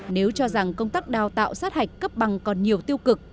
nếu cho rằng công tác đào tạo sát hạch cấp bằng còn nhiều tiêu cực